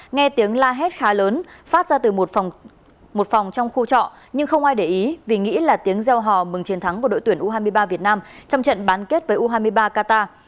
nghe tiếng la hét khá lớn phát ra từ một phòng trong khu trọ nhưng không ai để ý vì nghĩ là tiếng gieo hò mừng chiến thắng của đội tuyển u hai mươi ba việt nam trong trận bán kết với u hai mươi ba qatar